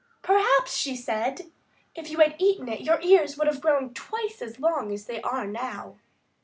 "Perhaps," she said, "if you had eaten it your ears would have grown twice as long as they are now."